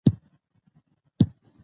د ریګ دښتو تاریخ خورا اوږد دی.